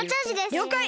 りょうかい！